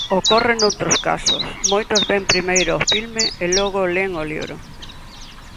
Ocorre noutros casos, moitos ven primeiro o filme e logo len o libro.